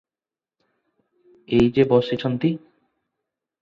ଏଇ ଯେ ବସିଛନ୍ତି ।